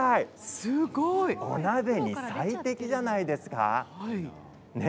すごい！お鍋に最適じゃないですか。